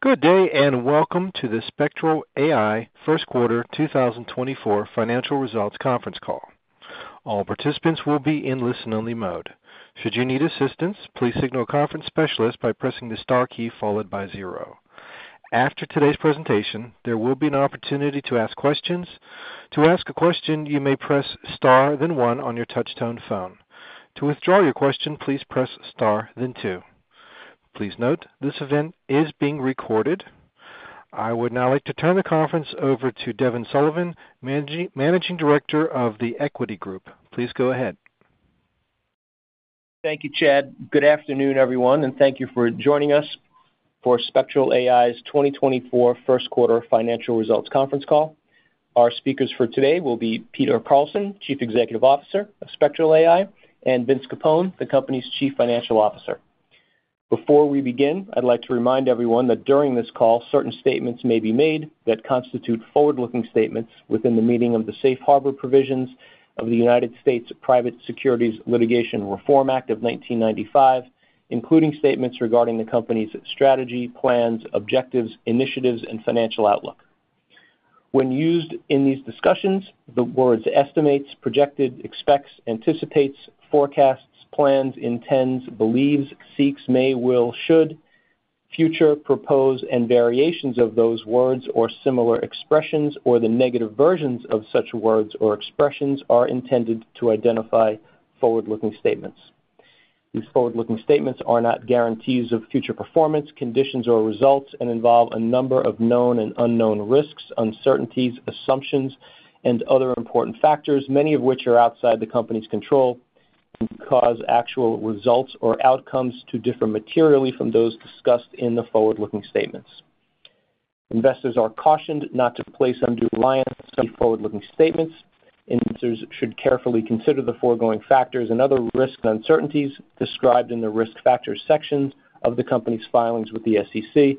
Good day and welcome to the Spectral AI First Quarter 2024 Financial Results Conference Call. All participants will be in listen-only mode. Should you need assistance, please signal a conference specialist by pressing the star key followed by zero. After today's presentation, there will be an opportunity to ask questions. To ask a question, you may press star then one on your touch-tone phone. To withdraw your question, please press star then two. Please note, this event is being recorded. I would now like to turn the conference over to Devin Sullivan, Managing Director of The Equity Group. Please go ahead. Thank you, Chad. Good afternoon, everyone, and thank you for joining us for Spectral AI's 2024 First Quarter Financial Results Conference Call. Our speakers for today will be Peter Carlson, Chief Executive Officer of Spectral AI, and Vince Capone, the company's Chief Financial Officer. Before we begin, I'd like to remind everyone that during this call, certain statements may be made that constitute forward-looking statements within the meaning of the Safe Harbor Provisions of the United States Private Securities Litigation Reform Act of 1995, including statements regarding the company's strategy, plans, objectives, initiatives, and financial outlook. When used in these discussions, the words estimates, projected, expects, anticipates, forecasts, plans, intends, believes, seeks, may, will, should, future, propose, and variations of those words or similar expressions, or the negative versions of such words or expressions, are intended to identify forward-looking statements. These forward-looking statements are not guarantees of future performance, conditions, or results, and involve a number of known and unknown risks, uncertainties, assumptions, and other important factors, many of which are outside the company's control, and cause actual results or outcomes to differ materially from those discussed in the forward-looking statements. Investors are cautioned not to place undue reliance on forward-looking statements. Investors should carefully consider the foregoing factors and other risks and uncertainties described in the risk factors sections of the company's filings with the SEC,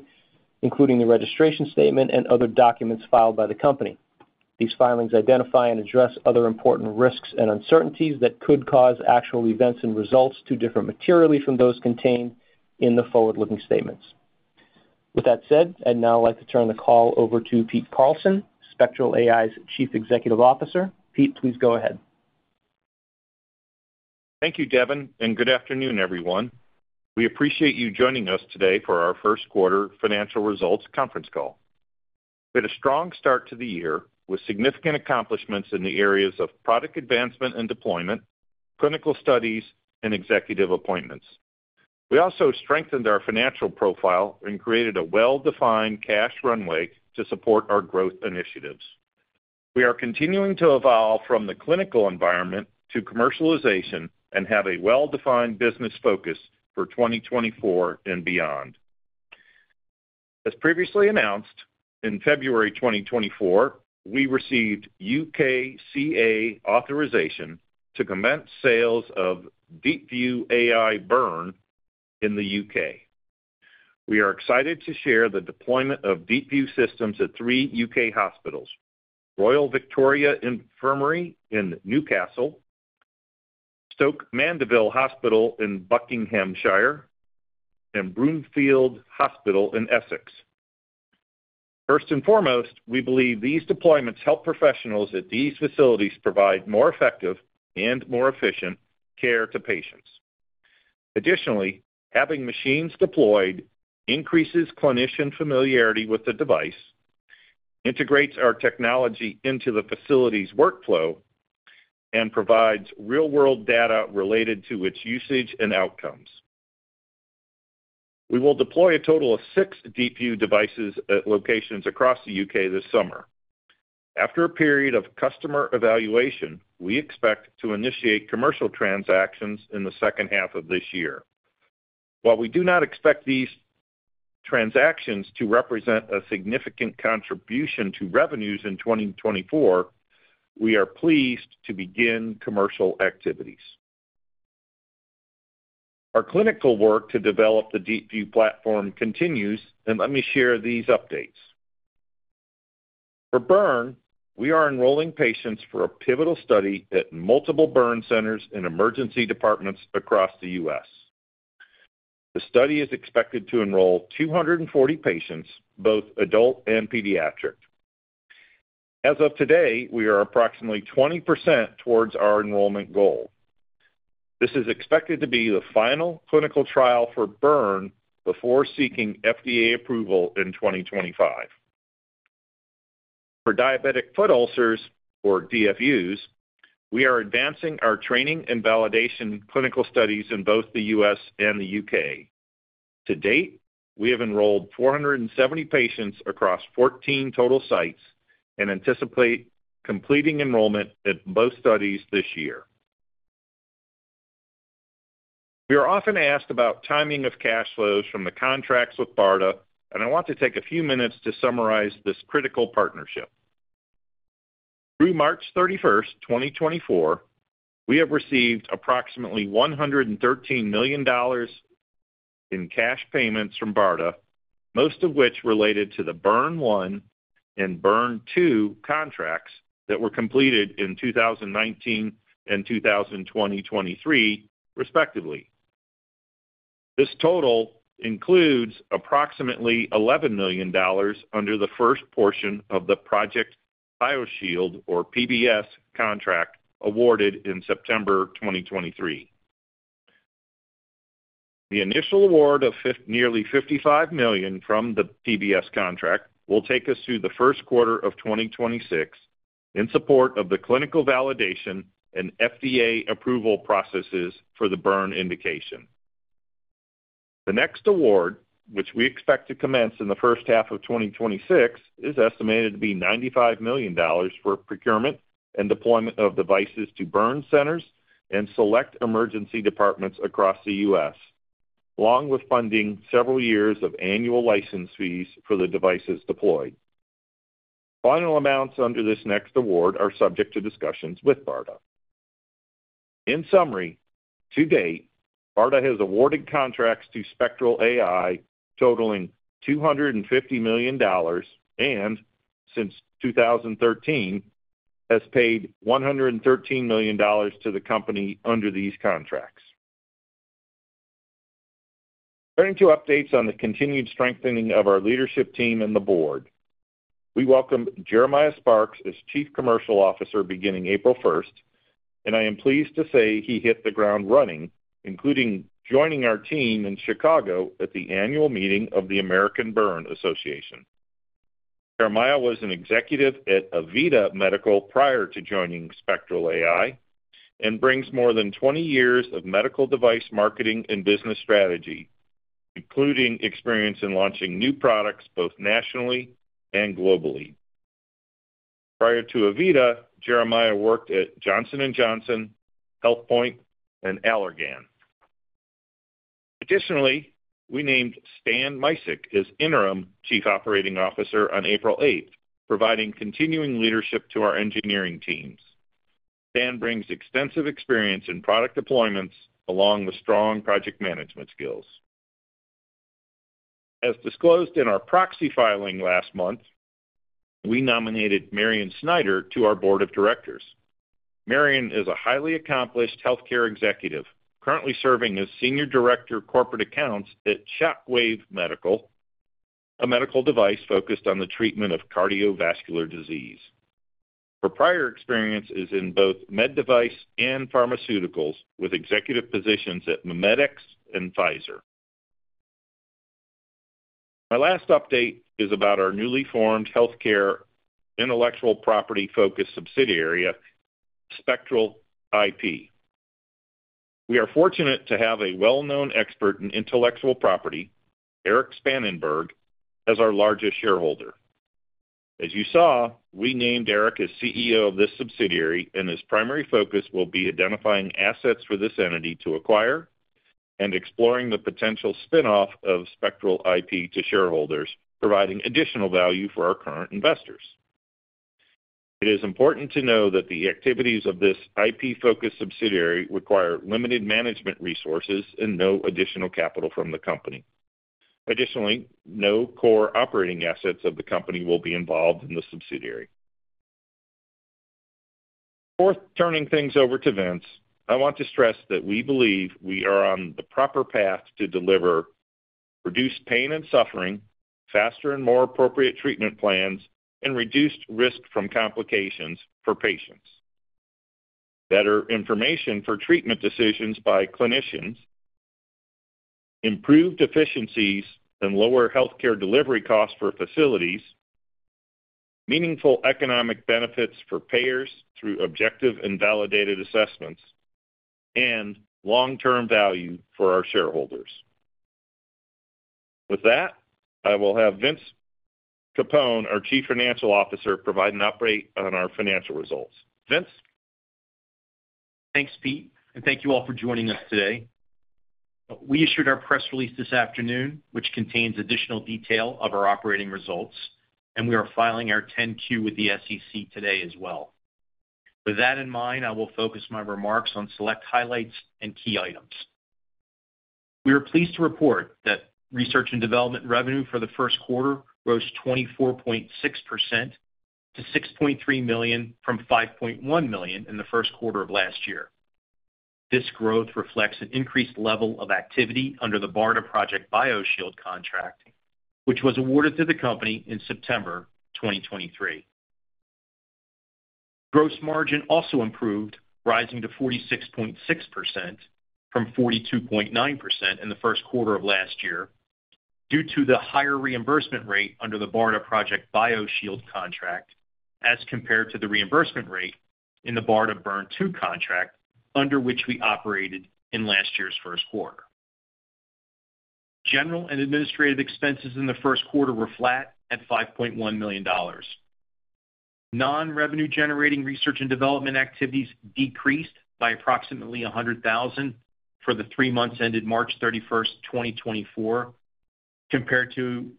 including the registration statement and other documents filed by the company. These filings identify and address other important risks and uncertainties that could cause actual events and results to differ materially from those contained in the forward-looking statements. With that said, I'd now like to turn the call over to Pete Carlson, Spectral AI's Chief Executive Officer. Pete, please go ahead. Thank you, Devin, and good afternoon, everyone. We appreciate you joining us today for our First Quarter Financial Results Conference Call. We had a strong start to the year with significant accomplishments in the areas of product advancement and deployment, clinical studies, and executive appointments. We also strengthened our financial profile and created a well-defined cash runway to support our growth initiatives. We are continuing to evolve from the clinical environment to commercialization and have a well-defined business focus for 2024 and beyond. As previously announced, in February 2024, we received UKCA authorization to commence sales of DeepView AI-Burn in the U.K. We are excited to share the deployment of DeepView systems at three U.K. hospitals: Royal Victoria Infirmary in Newcastle, Stoke Mandeville Hospital in Buckinghamshire, and Broomfield Hospital in Essex. First and foremost, we believe these deployments help professionals at these facilities provide more effective and more efficient care to patients. Additionally, having machines deployed increases clinician familiarity with the device, integrates our technology into the facility's workflow, and provides real-world data related to its usage and outcomes. We will deploy a total of 6 DeepView devices at locations across the U.K. this summer. After a period of customer evaluation, we expect to initiate commercial transactions in the second half of this year. While we do not expect these transactions to represent a significant contribution to revenues in 2024, we are pleased to begin commercial activities. Our clinical work to develop the DeepView platform continues, and let me share these updates. For Burn, we are enrolling patients for a pivotal study at multiple burn centers and emergency departments across the U.S. The study is expected to enroll 240 patients, both adult and pediatric. As of today, we are approximately 20% towards our enrollment goal. This is expected to be the final clinical trial for Burn before seeking FDA approval in 2025. For diabetic foot ulcers, or DFUs, we are advancing our training and validation clinical studies in both the U.S. and the U.K. To date, we have enrolled 470 patients across 14 total sites and anticipate completing enrollment at both studies this year. We are often asked about timing of cash flows from the contracts with BARDA, and I want to take a few minutes to summarize this critical partnership. Through March 31st, 2024, we have received approximately $113 million in cash payments from BARDA, most of which related to the Burn 1 and Burn 2 contracts that were completed in 2019 and 2023, respectively. This total includes approximately $11 million under the first portion of the Project BioShield, or PBS, contract awarded in September 2023. The initial award of nearly $55 million from the PBS contract will take us through the first quarter of 2026 in support of the clinical validation and FDA approval processes for the burn indication. The next award, which we expect to commence in the first half of 2026, is estimated to be $95 million for procurement and deployment of devices to burn centers and select emergency departments across the U.S., along with funding several years of annual license fees for the devices deployed. Final amounts under this next award are subject to discussions with BARDA. In summary, to date, BARDA has awarded contracts to Spectral AI totaling $250 million and, since 2013, has paid $113 million to the company under these contracts. Turning to updates on the continued strengthening of our leadership team and the board, we welcome Jeremiah Sparks as Chief Commercial Officer beginning April 1st, and I am pleased to say he hit the ground running, including joining our team in Chicago at the annual meeting of the American Burn Association. Jeremiah was an executive at AVITA Medical prior to joining Spectral AI and brings more than 20 years of medical device marketing and business strategy, including experience in launching new products both nationally and globally. Prior to AVITA Medical, Jeremiah worked at Johnson & Johnson, Healthpoint, and Allergan. Additionally, we named Stan Micek as interim Chief Operating Officer on April 8th, providing continuing leadership to our engineering teams. Stan brings extensive experience in product deployments along with strong project management skills. As disclosed in our proxy filing last month, we nominated Marion Snyder to our board of directors. Marion is a highly accomplished healthcare executive, currently serving as Senior Director Corporate Accounts at Shockwave Medical, a medical device focused on the treatment of cardiovascular disease. Her prior experience is in both med device and pharmaceuticals, with executive positions at MiMedx and Pfizer. My last update is about our newly formed healthcare intellectual property-focused subsidiary, Spectral IP. We are fortunate to have a well-known expert in intellectual property, Eric Spangenberg, as our largest shareholder. As you saw, we named Eric as CEO of this subsidiary, and his primary focus will be identifying assets for this entity to acquire and exploring the potential spinoff of Spectral IP to shareholders, providing additional value for our current investors. It is important to know that the activities of this IP-focused subsidiary require limited management resources and no additional capital from the company. Additionally, no core operating assets of the company will be involved in the subsidiary. Before turning things over to Vince, I want to stress that we believe we are on the proper path to deliver reduced pain and suffering, faster and more appropriate treatment plans, and reduced risk from complications for patients, better information for treatment decisions by clinicians, improved efficiencies and lower healthcare delivery costs for facilities, meaningful economic benefits for payers through objective and validated assessments, and long-term value for our shareholders. With that, I will have Vince Capone, our Chief Financial Officer, provide an update on our financial results. Vince? Thanks, Pete, and thank you all for joining us today. We issued our press release this afternoon, which contains additional detail of our operating results, and we are filing our 10-Q with the SEC today as well. With that in mind, I will focus my remarks on select highlights and key items. We are pleased to report that research and development revenue for the first quarter rose 24.6% to $6.3 million from $5.1 million in the first quarter of last year. This growth reflects an increased level of activity under the BARDA Project BioShield contract, which was awarded to the company in September 2023. Gross margin also improved, rising to 46.6% from 42.9% in the first quarter of last year due to the higher reimbursement rate under the BARDA Project BioShield contract as compared to the reimbursement rate in the BARDA Burn 2 contract under which we operated in last year's first quarter. General and administrative expenses in the first quarter were flat at $5.1 million. Non-revenue-generating research and development activities decreased by approximately $100,000 for the three months ended March 31st, 2024, compared to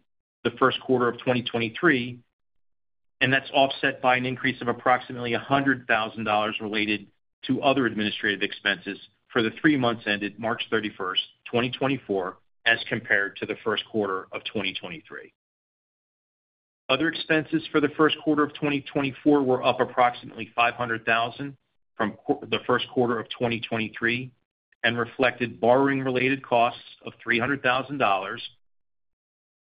the first quarter of 2023, and that's offset by an increase of approximately $100,000 related to other administrative expenses for the three months ended March 31st, 2024, as compared to the first quarter of 2023. Other expenses for the first quarter of 2024 were up approximately $500,000 from the first quarter of 2023 and reflected borrowing-related costs of $300,000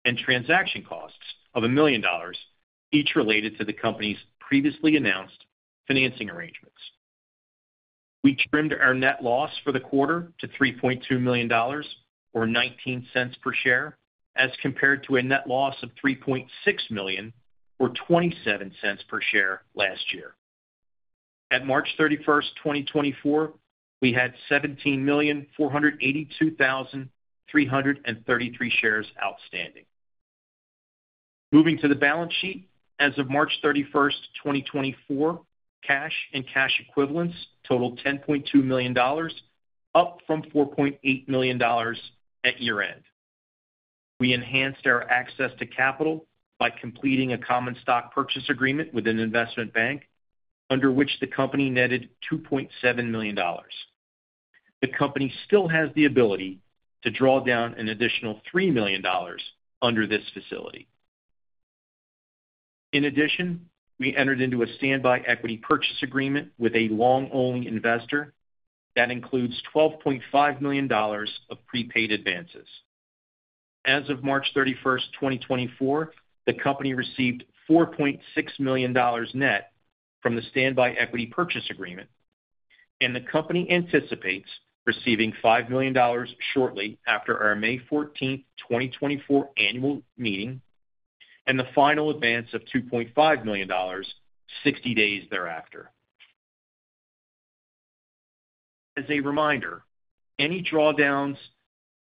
and transaction costs of $1 million, each related to the company's previously announced financing arrangements. We trimmed our net loss for the quarter to $3.2 million, or $0.19 per share, as compared to a net loss of $3.6 million, or $0.27 per share, last year. At March 31st, 2024, we had 17,482,333 shares outstanding. Moving to the balance sheet, as of March 31st, 2024, cash and cash equivalents totaled $10.2 million, up from $4.8 million at year-end. We enhanced our access to capital by completing a common stock purchase agreement with an investment bank under which the company netted $2.7 million. The company still has the ability to draw down an additional $3 million under this facility. In addition, we entered into a standby equity purchase agreement with a long-only investor that includes $12.5 million of prepaid advances. As of March 31st, 2024, the company received $4.6 million net from the standby equity purchase agreement, and the company anticipates receiving $5 million shortly after our May 14th, 2024, annual meeting and the final advance of $2.5 million, 60 days thereafter. As a reminder, any drawdowns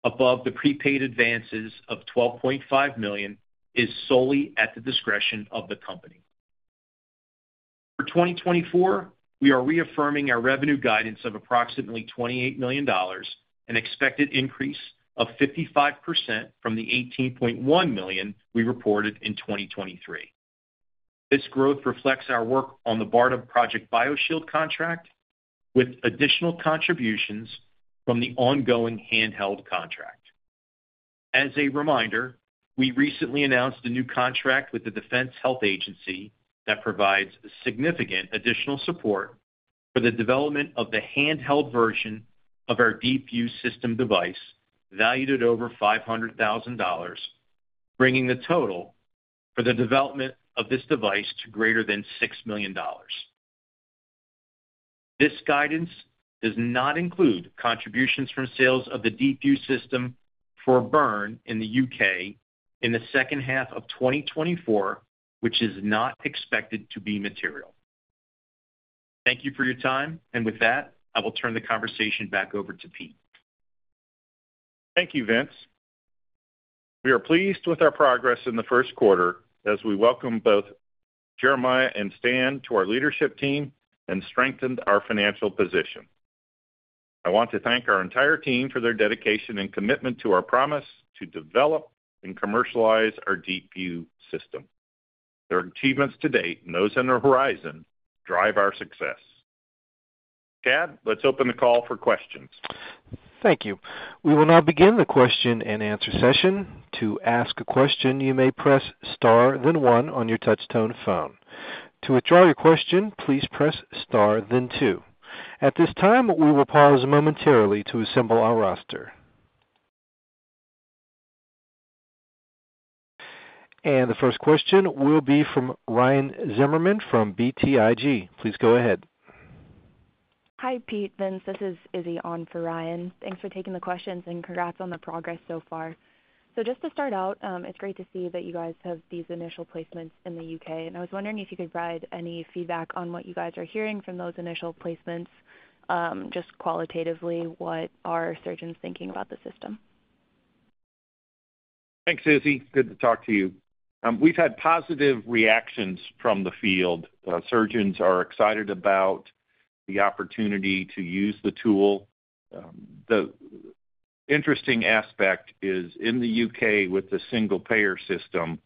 above the prepaid advances of $12.5 million are solely at the discretion of the company. For 2024, we are reaffirming our revenue guidance of approximately $28 million and expect an increase of 55% from the $18.1 million we reported in 2023. This growth reflects our work on the BARDA Project BioShield contract with additional contributions from the ongoing handheld contract. As a reminder, we recently announced a new contract with the Defense Health Agency that provides significant additional support for the development of the handheld version of our DeepView system device, valued at over $500,000, bringing the total for the development of this device to greater than $6 million. This guidance does not include contributions from sales of the DeepView system for Burn in the U.K. in the second half of 2024, which is not expected to be material. Thank you for your time, and with that, I will turn the conversation back over to Pete. Thank you, Vince. We are pleased with our progress in the first quarter as we welcome both Jeremiah and Stan to our leadership team and strengthened our financial position. I want to thank our entire team for their dedication and commitment to our promise to develop and commercialize our DeepView system. Their achievements to date and those on the horizon drive our success. Chad, let's open the call for questions. Thank you. We will now begin the question and answer session. To ask a question, you may press star, then one, on your touch-tone phone. To withdraw your question, please press star, then two. At this time, we will pause momentarily to assemble our roster. The first question will be from Ryan Zimmerman from BTIG. Please go ahead. Hi, Pete. Vince, this is Iseult McMahon for Ryan. Thanks for taking the questions, and congrats on the progress so far. So just to start out, it's great to see that you guys have these initial placements in the U.K., and I was wondering if you could provide any feedback on what you guys are hearing from those initial placements. Just qualitatively, what are surgeons thinking about the system? Thanks, Iseult. Good to talk to you. We've had positive reactions from the field. Surgeons are excited about the opportunity to use the tool. The interesting aspect is, in the U.K., with the single payer system,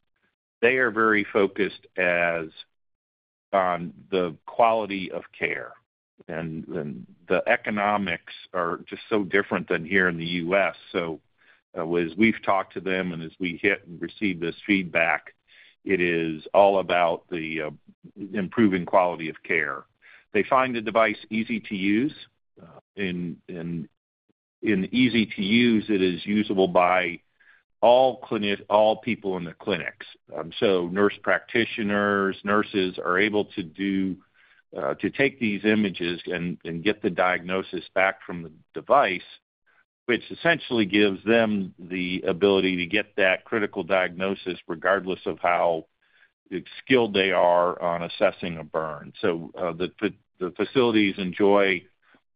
they are very focused on the quality of care, and the economics are just so different than here in the U.S. So as we've talked to them and as we hit and receive this feedback, it is all about the improving quality of care. They find the device easy to use. In easy to use, it is usable by all people in the clinics. So nurse practitioners, nurses are able to take these images and get the diagnosis back from the device, which essentially gives them the ability to get that critical diagnosis regardless of how skilled they are on assessing a burn. The facilities enjoy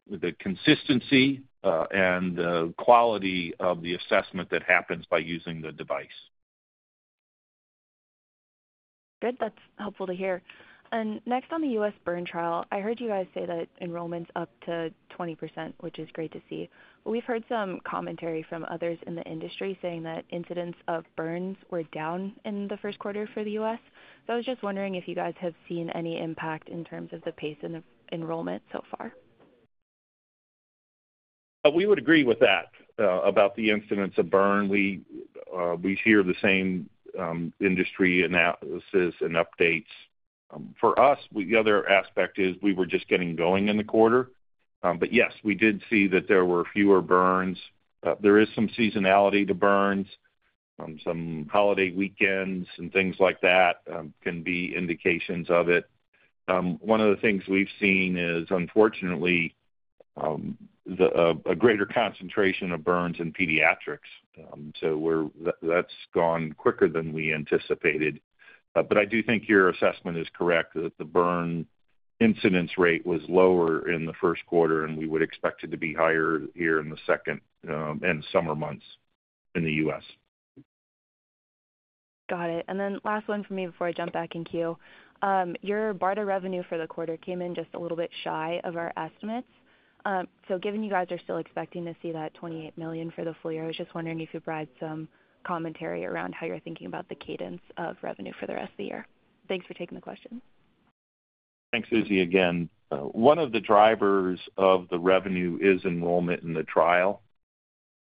the consistency and the quality of the assessment that happens by using the device. Good. That's helpful to hear. Next, on the U.S. burn trial, I heard you guys say that enrollment's up to 20%, which is great to see. But we've heard some commentary from others in the industry saying that incidents of burns were down in the first quarter for the U.S. So I was just wondering if you guys have seen any impact in terms of the pace of enrollment so far. We would agree with that about the incidence of burns. We hear the same industry analysis and updates. For us, the other aspect is we were just getting going in the quarter. But yes, we did see that there were fewer burns. There is some seasonality to burns. Some holiday weekends and things like that can be indications of it. One of the things we've seen is, unfortunately, a greater concentration of burns in pediatrics. So that's gone quicker than we anticipated. But I do think your assessment is correct, that the burn incidence rate was lower in the first quarter, and we would expect it to be higher here in the second and summer months in the U.S. Got it. Then last one for me before I jump back in queue. Your BARDA revenue for the quarter came in just a little bit shy of our estimates. Given you guys are still expecting to see that $28 million for the full year, I was just wondering if you provide some commentary around how you're thinking about the cadence of revenue for the rest of the year. Thanks for taking the question. Thanks, Iseult, again. One of the drivers of the revenue is enrollment in the trial.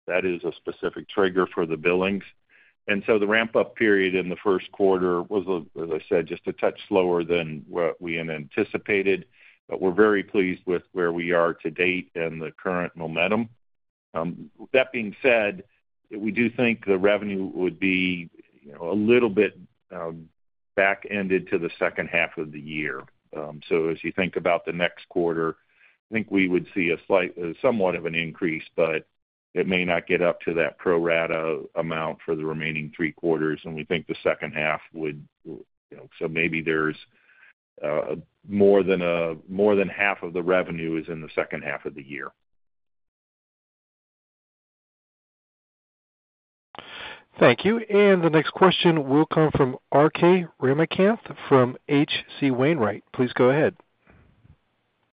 That is a specific trigger for the billings. And so the ramp-up period in the first quarter was, as I said, just a touch slower than what we had anticipated. But we're very pleased with where we are to date and the current momentum. That being said, we do think the revenue would be a little bit back-ended to the second half of the year. So as you think about the next quarter, I think we would see a somewhat of an increase, but it may not get up to that pro rata amount for the remaining three quarters. And we think the second half would so maybe there's more than half of the revenue is in the second half of the year. Thank you. The next question will come from RK Ramakanth from HC Wainwright. Please go ahead.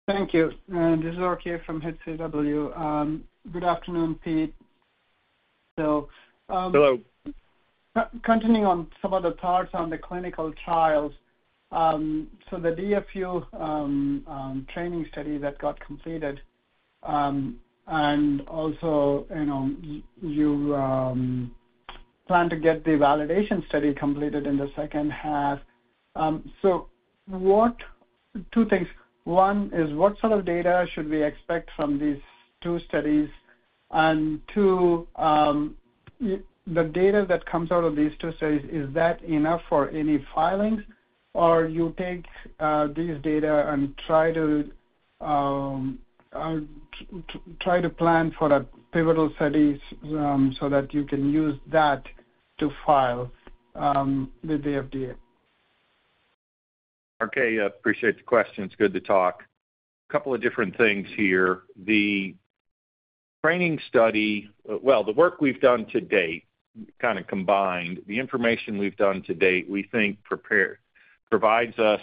Thank you. This is RK from HCW. Good afternoon, Pete. So. Hello. Continuing on some of the thoughts on the clinical trials. So the DFU training study that got completed, and also you plan to get the validation study completed in the second half. So two things. One is, what sort of data should we expect from these two studies? And two, the data that comes out of these two studies, is that enough for any filings? Or you take these data and try to plan for a pivotal study so that you can use that to file with the FDA? RK, appreciate the questions. Good to talk. A couple of different things here. The training study well, the work we've done to date, kind of combined, the information we've done to date, we think provides us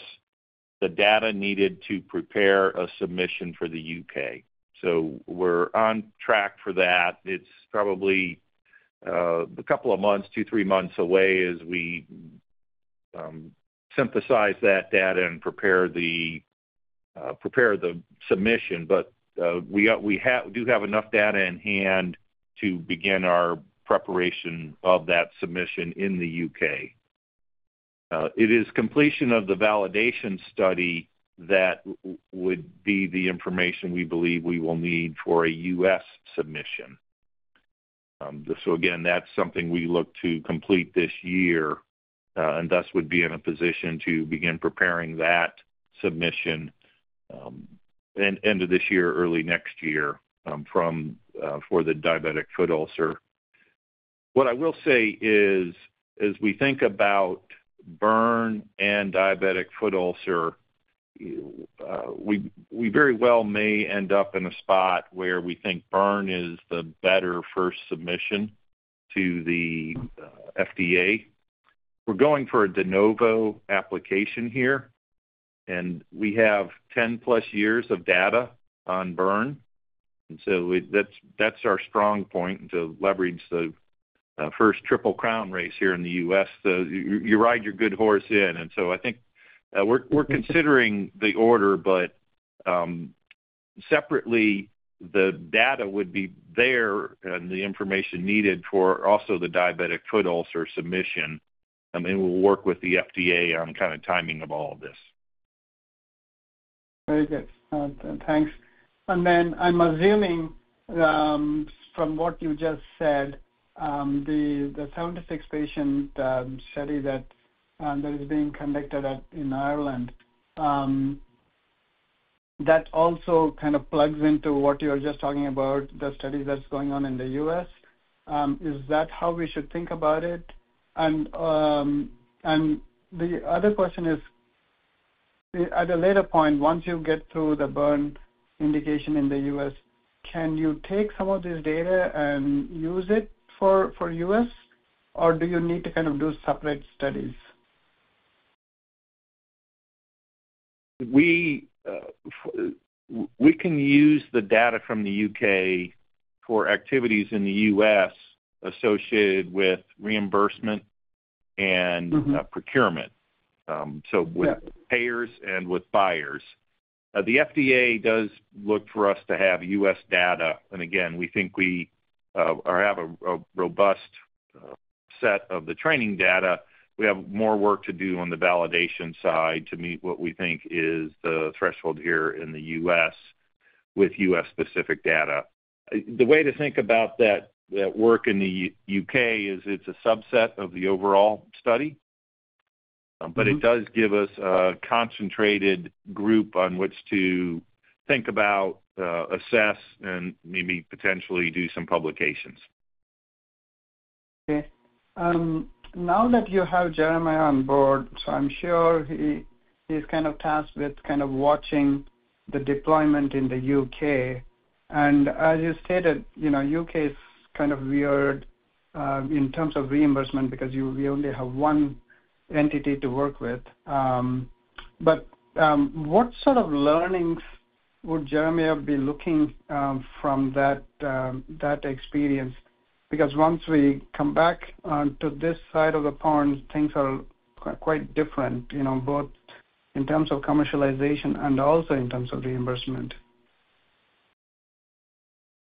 the data needed to prepare a submission for the U.K. So we're on track for that. It's probably a couple of months, two, three months away as we synthesize that data and prepare the submission. But we do have enough data in hand to begin our preparation of that submission in the U.K. It is completion of the validation study that would be the information we believe we will need for a U.S. submission. So again, that's something we look to complete this year and thus would be in a position to begin preparing that submission end of this year, early next year for the diabetic foot ulcer. What I will say is, as we think about burn and diabetic foot ulcer, we very well may end up in a spot where we think burn is the better first submission to the FDA. We're going for a de novo application here, and we have 10+ years of data on burn. And so that's our strong point to leverage the first triple crown race here in the U.S. So you ride your good horse in. And so I think we're considering the order, but separately, the data would be there and the information needed for also the diabetic foot ulcer submission. And we'll work with the FDA on kind of timing of all of this. Very good. Thanks. And then I'm assuming, from what you just said, the 76-patient study that is being conducted in Ireland, that also kind of plugs into what you were just talking about, the study that's going on in the U.S. Is that how we should think about it? And the other question is, at a later point, once you get through the burn indication in the U.S., can you take some of this data and use it for U.S.? Or do you need to kind of do separate studies? We can use the data from the U.K. for activities in the U.S. associated with reimbursement and procurement, so with payers and with buyers. The FDA does look for us to have U.S. data. And again, we think we have a robust set of the training data. We have more work to do on the validation side to meet what we think is the threshold here in the U.S. with U.S.-specific data. The way to think about that work in the U.K. is it's a subset of the overall study, but it does give us a concentrated group on which to think about, assess, and maybe potentially do some publications. Okay. Now that you have Jeremiah on board, so I'm sure he is kind of tasked with kind of watching the deployment in the U.K. And as you stated, U.K. is kind of weird in terms of reimbursement because we only have one entity to work with. But what sort of learnings would Jeremiah be looking from that experience? Because once we come back to this side of the pond, things are quite different, both in terms of commercialization and also in terms of reimbursement.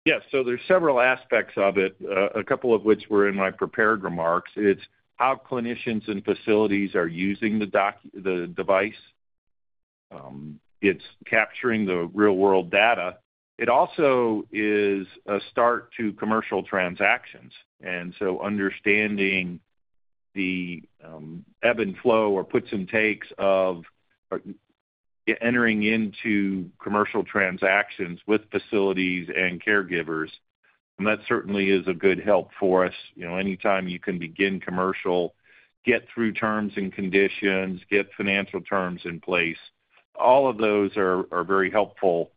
Yes. So there's several aspects of it, a couple of which were in my prepared remarks. It's how clinicians and facilities are using the device. It's capturing the real-world data. It also is a start to commercial transactions. And so understanding the ebb and flow or puts and takes of entering into commercial transactions with facilities and caregivers, that certainly is a good help for us. Anytime you can begin commercial, get through terms and conditions, get financial terms in place, all of those are very helpful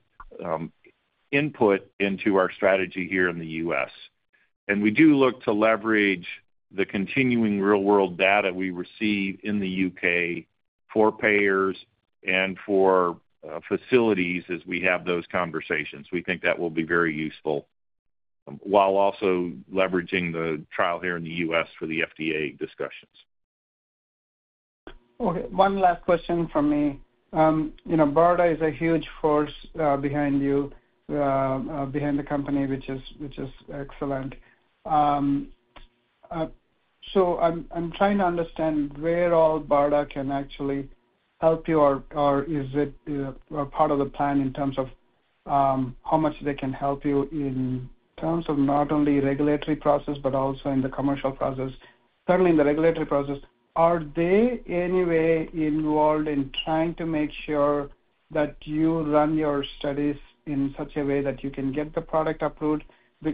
input into our strategy here in the U.S. And we do look to leverage the continuing real-world data we receive in the U.K. for payers and for facilities as we have those conversations. We think that will be very useful while also leveraging the trial here in the U.S. for the FDA discussions. Okay. One last question from me. BARDA is a huge force behind you, behind the company, which is excellent. So I'm trying to understand where all BARDA can actually help you, or is it part of the plan in terms of how much they can help you in terms of not only regulatory process but also in the commercial process? Certainly, in the regulatory process, are they anyway involved in trying to make sure that you run your studies in such a way that you can get the product approved?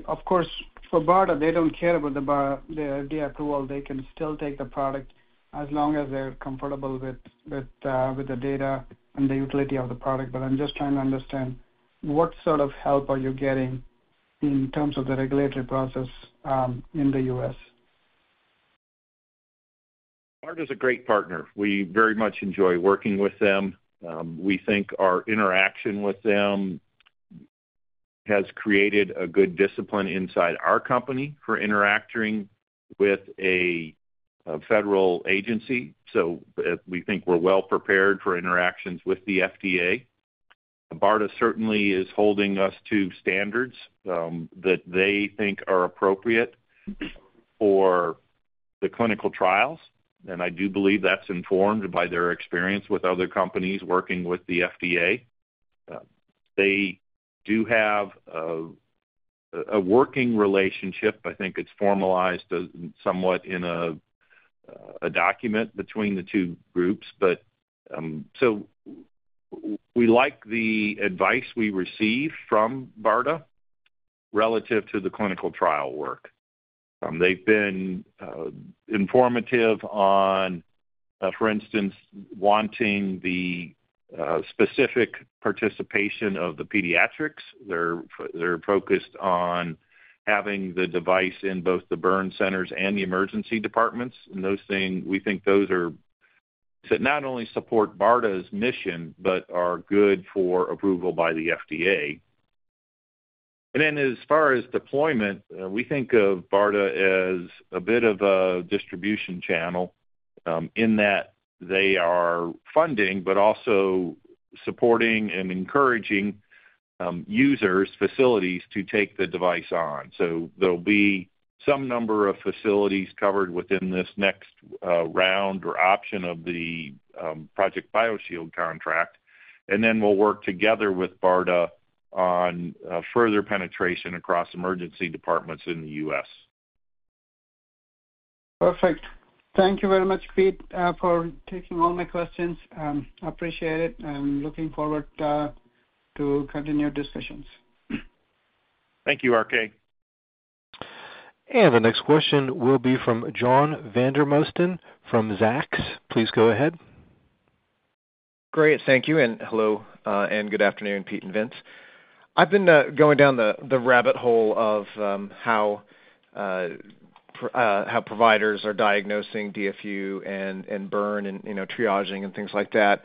Of course, for BARDA, they don't care about the FDA approval. They can still take the product as long as they're comfortable with the data and the utility of the product. But I'm just trying to understand what sort of help are you getting in terms of the regulatory process in the U.S.? BARDA is a great partner. We very much enjoy working with them. We think our interaction with them has created a good discipline inside our company for interacting with a federal agency. We think we're well prepared for interactions with the FDA. BARDA certainly is holding us to standards that they think are appropriate for the clinical trials. I do believe that's informed by their experience with other companies working with the FDA. They do have a working relationship. I think it's formalized somewhat in a document between the two groups. We like the advice we receive from BARDA relative to the clinical trial work. They've been informative on, for instance, wanting the specific participation of the pediatrics. They're focused on having the device in both the burn centers and the emergency departments. We think those that not only support BARDA's mission but are good for approval by the FDA. Then as far as deployment, we think of BARDA as a bit of a distribution channel in that they are funding but also supporting and encouraging users, facilities, to take the device on. There'll be some number of facilities covered within this next round or option of the Project BioShield contract. Then we'll work together with BARDA on further penetration across emergency departments in the U.S. Perfect. Thank you very much, Pete, for taking all my questions. I appreciate it. I'm looking forward to continued discussions. Thank you, RK. The next question will be from John Vandermosten from Zacks. Please go ahead. Great. Thank you. Hello and good afternoon, Pete and Vince. I've been going down the rabbit hole of how providers are diagnosing DFU and burn and triaging and things like that.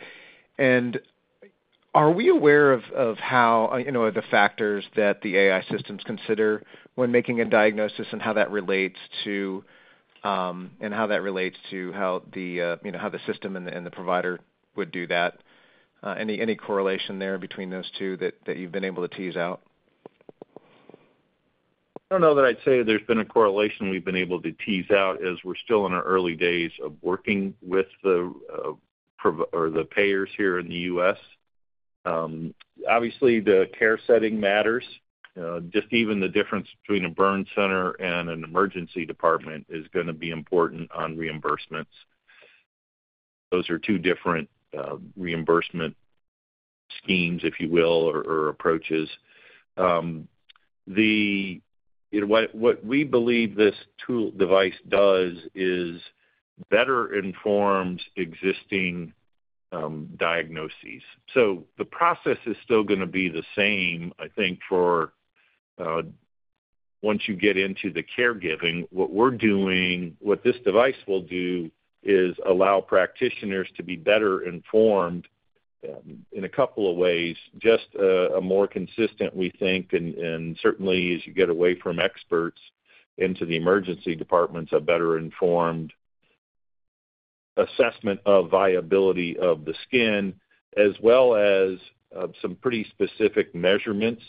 Are we aware of the factors that the AI systems consider when making a diagnosis and how that relates to and how that relates to how the system and the provider would do that? Any correlation there between those two that you've been able to tease out? I don't know that I'd say there's been a correlation we've been able to tease out as we're still in our early days of working with the payers here in the U.S. Obviously, the care setting matters. Just even the difference between a burn center and an emergency department is going to be important on reimbursements. Those are two different reimbursement schemes, if you will, or approaches. What we believe this device does is better informs existing diagnoses. So the process is still going to be the same, I think, for once you get into the caregiving. What we're doing, what this device will do, is allow practitioners to be better informed in a couple of ways, just a more consistent, we think, and certainly as you get away from experts into the emergency departments, a better informed assessment of viability of the skin as well as some pretty specific measurements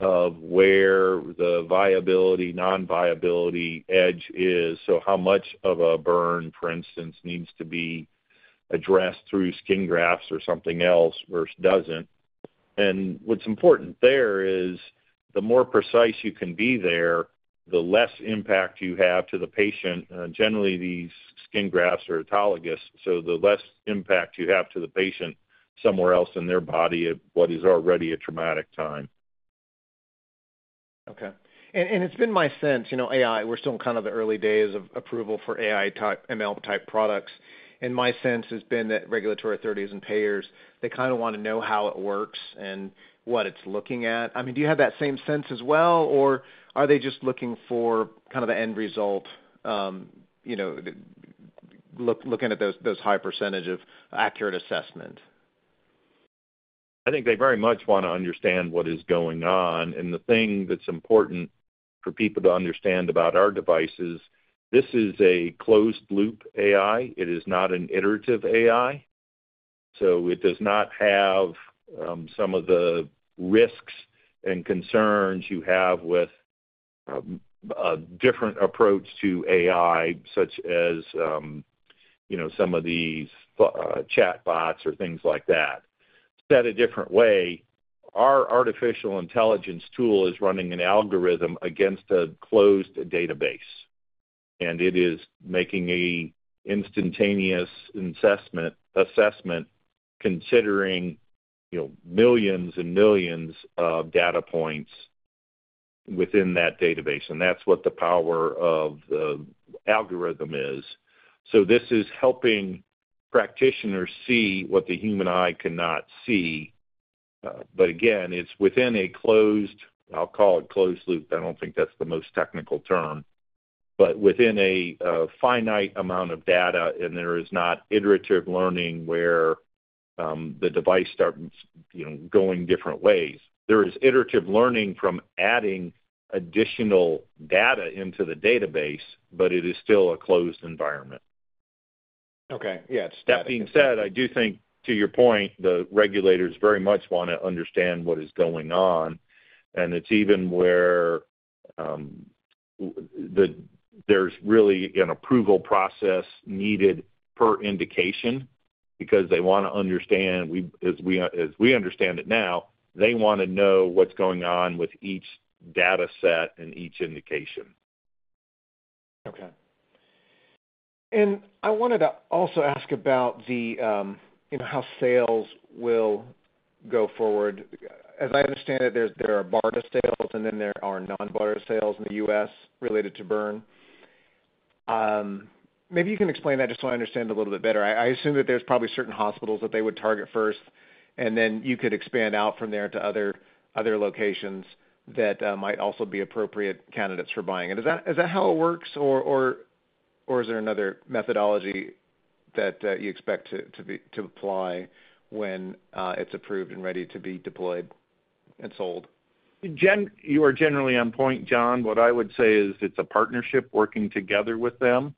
of where the viability, non-viability edge is. So how much of a burn, for instance, needs to be addressed through skin grafts or something else versus doesn't. And what's important there is the more precise you can be there, the less impact you have to the patient. Generally, these skin grafts are autologous. So the less impact you have to the patient somewhere else in their body at what is already a traumatic time. Okay. And it's been my sense, AI, we're still in kind of the early days of approval for AI-type, ML-type products. And my sense has been that regulatory authorities and payers, they kind of want to know how it works and what it's looking at. I mean, do you have that same sense as well, or are they just looking for kind of the end result, looking at those high percentage of accurate assessment? I think they very much want to understand what is going on. The thing that's important for people to understand about our device is this is a closed-loop AI. It is not an iterative AI. It does not have some of the risks and concerns you have with a different approach to AI, such as some of these chatbots or things like that. Said a different way, our artificial intelligence tool is running an algorithm against a closed database. It is making an instantaneous assessment considering millions and millions of data points within that database. That's what the power of the algorithm is. This is helping practitioners see what the human eye cannot see. But again, it's within a closed I'll call it closed-loop. I don't think that's the most technical term. But within a finite amount of data, and there is not iterative learning where the device starts going different ways. There is iterative learning from adding additional data into the database, but it is still a closed environment. Okay. Yeah. It's static. That being said, I do think, to your point, the regulators very much want to understand what is going on. It's even where there's really an approval process needed per indication because they want to understand as we understand it now, they want to know what's going on with each dataset and each indication. Okay. I wanted to also ask about how sales will go forward. As I understand it, there are BARDA sales, and then there are non-BARDA sales in the U.S. related to burn. Maybe you can explain that just so I understand a little bit better. I assume that there's probably certain hospitals that they would target first, and then you could expand out from there to other locations that might also be appropriate candidates for buying. Is that how it works, or is there another methodology that you expect to apply when it's approved and ready to be deployed and sold? You are generally on point, John. What I would say is it's a partnership working together with them.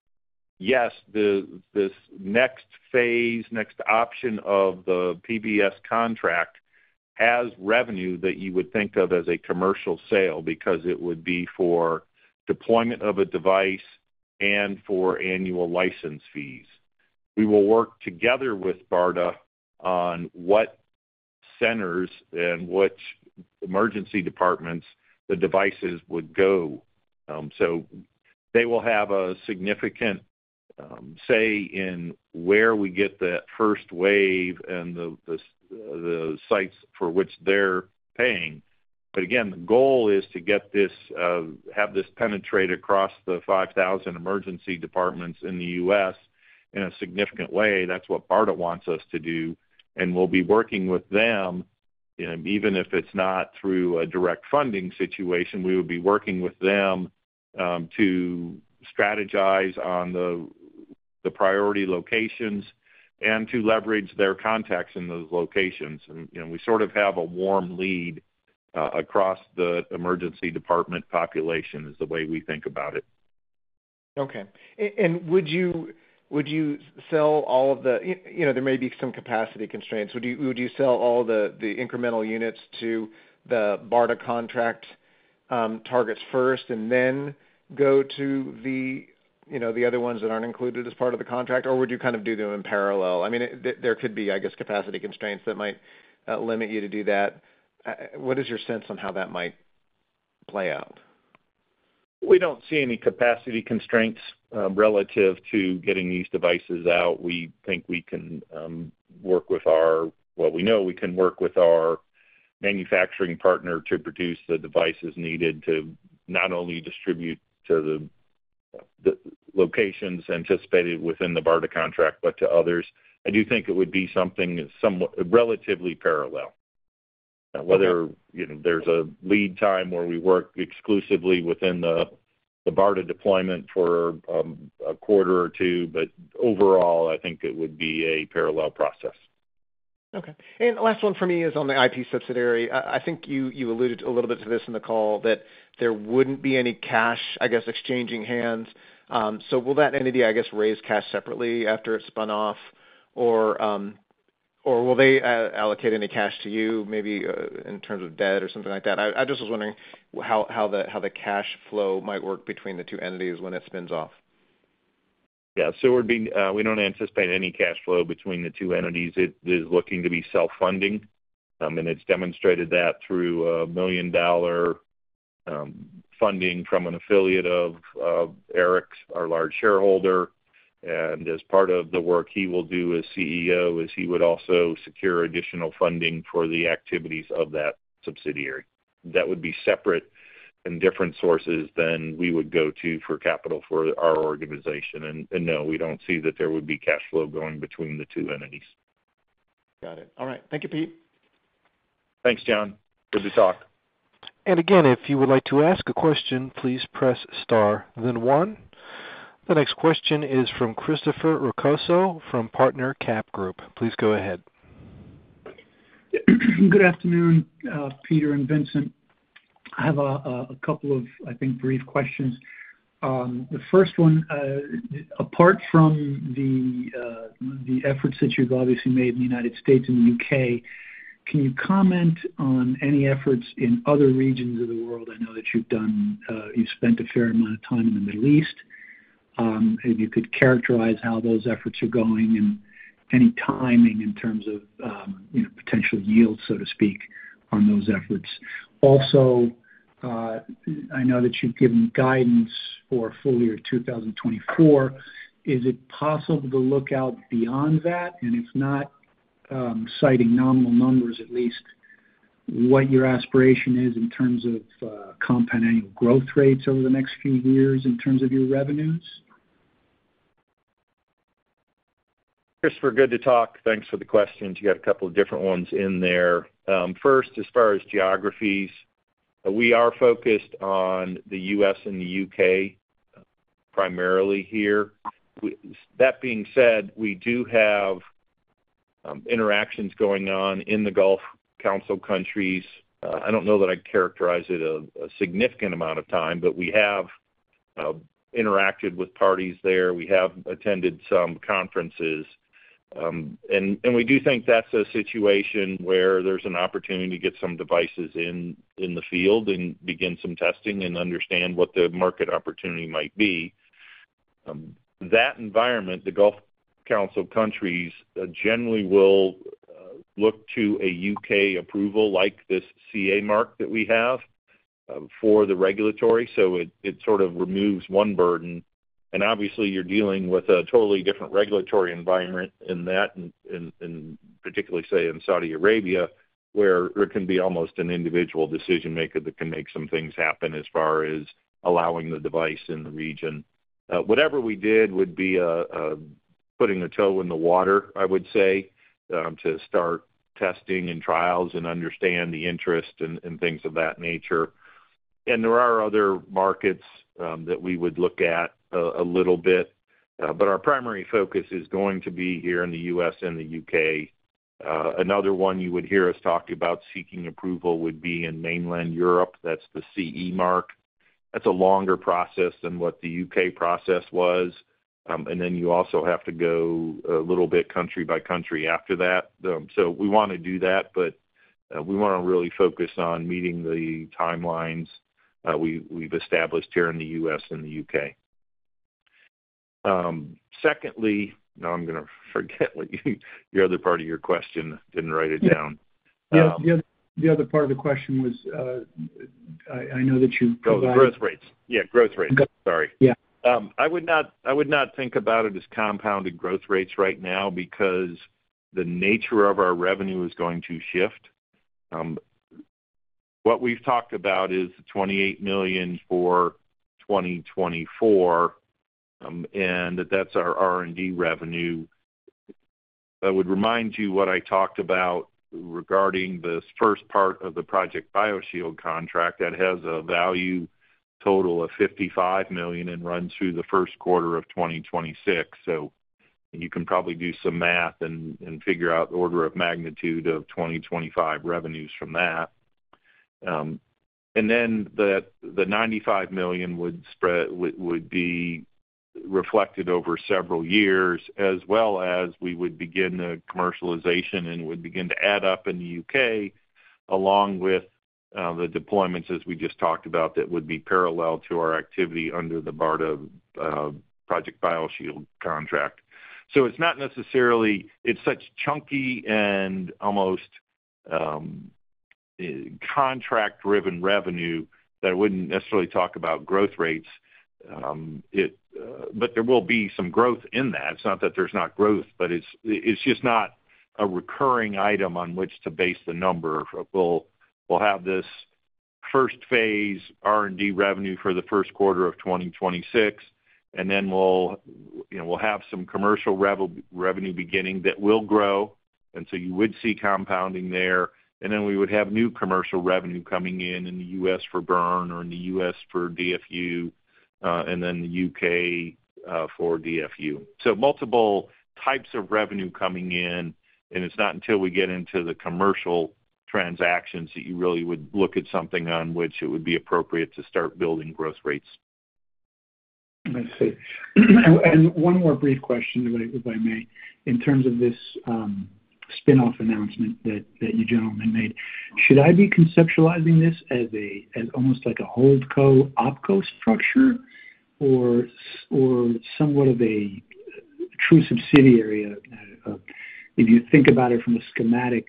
Yes, this next phase, next option of the PBS contract has revenue that you would think of as a commercial sale because it would be for deployment of a device and for annual license fees. We will work together with BARDA on what centers and which emergency departments the devices would go. So they will have a significant say in where we get the first wave and the sites for which they're paying. But again, the goal is to have this penetrate across the 5,000 emergency departments in the U.S. in a significant way. That's what BARDA wants us to do. We'll be working with them. Even if it's not through a direct funding situation, we would be working with them to strategize on the priority locations and to leverage their contacts in those locations. And we sort of have a warm lead across the emergency department population, is the way we think about it. Okay. And would you sell all of them? There may be some capacity constraints. Would you sell all the incremental units to the BARDA contract targets first and then go to the other ones that aren't included as part of the contract, or would you kind of do them in parallel? I mean, there could be, I guess, capacity constraints that might limit you to do that. What is your sense on how that might play out? We don't see any capacity constraints relative to getting these devices out. We think we can work with our well, we know we can work with our manufacturing partner to produce the devices needed to not only distribute to the locations anticipated within the BARDA contract but to others. I do think it would be something relatively parallel, whether there's a lead time where we work exclusively within the BARDA deployment for a quarter or two. But overall, I think it would be a parallel process. Okay. Last one for me is on the IP subsidiary. I think you alluded a little bit to this in the call, that there wouldn't be any cash, I guess, exchanging hands. So will that entity, I guess, raise cash separately after it's spun off, or will they allocate any cash to you, maybe in terms of debt or something like that? I just was wondering how the cash flow might work between the two entities when it spins off. Yeah. So we don't anticipate any cash flow between the two entities. It is looking to be self-funding. And it's demonstrated that through $1 million funding from an affiliate of Eric, our large shareholder. And as part of the work he will do as CEO is he would also secure additional funding for the activities of that subsidiary. That would be separate and different sources than we would go to for capital for our organization. And no, we don't see that there would be cash flow going between the two entities. Got it. All right. Thank you, Pete. Thanks, John. Good to talk. And again, if you would like to ask a question, please press star, then one. The next question is from Christopher Recouso from Partner Capital Group. Please go ahead. Good afternoon, Peter and Vincent. I have a couple of, I think, brief questions. The first one, apart from the efforts that you've obviously made in the United States and the U.K., can you comment on any efforts in other regions of the world? I know that you've spent a fair amount of time in the Middle East. If you could characterize how those efforts are going and any timing in terms of potential yields, so to speak, on those efforts. Also, I know that you've given guidance for a full year of 2024. Is it possible to look out beyond that? And if not, citing nominal numbers, at least what your aspiration is in terms of compound annual growth rates over the next few years in terms of your revenues? Christopher, good to talk. Thanks for the questions. You got a couple of different ones in there. First, as far as geographies, we are focused on the U.S. and the U.K. primarily here. That being said, we do have interactions going on in the Gulf Council Countries. I don't know that I'd characterize it a significant amount of time, but we have interacted with parties there. We have attended some conferences. And we do think that's a situation where there's an opportunity to get some devices in the field and begin some testing and understand what the market opportunity might be. That environment, the Gulf Council Countries generally will look to a U.K. approval like this UKCA mark that we have for the regulatory. So it sort of removes one burden. Obviously, you're dealing with a totally different regulatory environment in that, and particularly, say, in Saudi Arabia, where it can be almost an individual decision-maker that can make some things happen as far as allowing the device in the region. Whatever we did would be putting a toe in the water, I would say, to start testing and trials and understand the interest and things of that nature. And there are other markets that we would look at a little bit. But our primary focus is going to be here in the U.S. and the U.K. Another one you would hear us talk about seeking approval would be in mainland Europe. That's the CE mark. That's a longer process than what the U.K. process was. And then you also have to go a little bit country by country after that. So we want to do that, but we want to really focus on meeting the timelines we've established here in the U.S. and the U.K. Secondly, now I'm going to forget what your other part of your question didn't write it down. Yeah. The other part of the question was I know that you provided. Oh, the growth rates. Yeah, growth rates. Sorry. I would not think about it as compounded growth rates right now because the nature of our revenue is going to shift. What we've talked about is $28 million for 2024, and that's our R&D revenue. I would remind you what I talked about regarding this first part of the Project BioShield contract that has a value total of $55 million and runs through the first quarter of 2026. So you can probably do some math and figure out the order of magnitude of 2025 revenues from that. And then the $95 million would be reflected over several years, as well as we would begin the commercialization and would begin to add up in the UK along with the deployments, as we just talked about, that would be parallel to our activity under the BARDA Project BioShield contract. So it's not necessarily such chunky and almost contract-driven revenue that I wouldn't necessarily talk about growth rates. But there will be some growth in that. It's not that there's not growth, but it's just not a recurring item on which to base the number. We'll have this first phase R&D revenue for the first quarter of 2026, and then we'll have some commercial revenue beginning that will grow. And so you would see compounding there. And then we would have new commercial revenue coming in in the U.S. for burn or in the U.S. for DFU, and then the U.K. for DFU. So multiple types of revenue coming in. And it's not until we get into the commercial transactions that you really would look at something on which it would be appropriate to start building growth rates. I see. And one more brief question, if I may. In terms of this spinoff announcement that you gentlemen made, should I be conceptualizing this as almost like a holdco-opco structure or somewhat of a true subsidiary or if you think about it from a schematic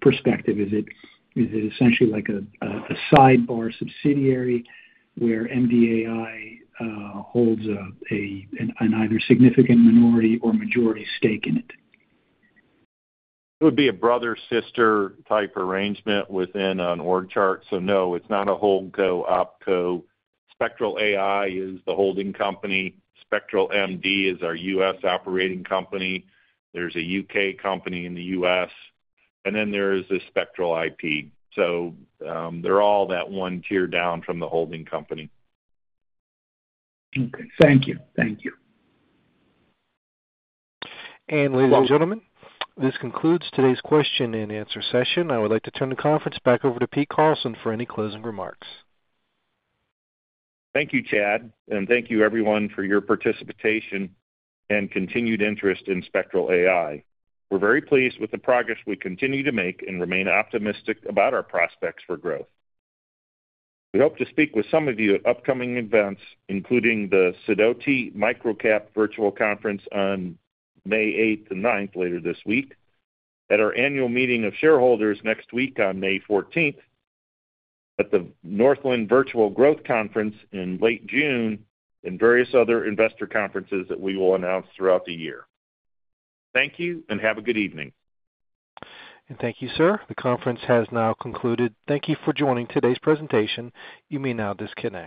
perspective, is it essentially like a sidebar subsidiary where MDAI holds an either significant minority or majority stake in it? It would be a brother-sister type arrangement within an org chart. So no, it's not a holdco-opco. Spectral AI is the holding company. Spectral MD is our US operating company. There's a U.K. company in the U.S. And then there is the Spectral IP. So they're all that one tier down from the holding company. Okay. Thank you. Thank you. Ladies and gentlemen, this concludes today's question and answer session. I would like to turn the conference back over to Pete Carlson for any closing remarks. Thank you, Chad. Thank you, everyone, for your participation and continued interest in Spectral AI. We're very pleased with the progress we continue to make and remain optimistic about our prospects for growth. We hope to speak with some of you at upcoming events, including the Sidoti Microcap Virtual Conference on May 8th and 9th later this week, at our annual meeting of shareholders next week on May 14th, at the Northland Virtual Growth Conference in late June, and various other investor conferences that we will announce throughout the year. Thank you, and have a good evening. Thank you, sir. The conference has now concluded. Thank you for joining today's presentation. You may now disconnect.